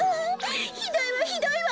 ひどいわひどいわ！